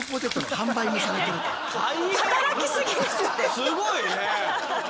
すごいね。